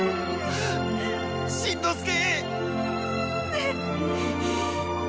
しんのすけ！